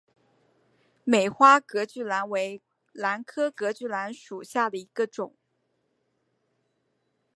美花隔距兰为兰科隔距兰属下的一个种。